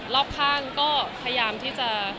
รอบข้างก็พยายามที่จะ